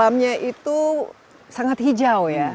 dalamnya itu sangat hijau ya